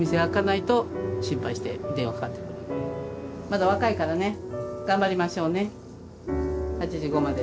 まだ若いからね頑張りましょうね８５まで。